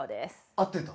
合ってた。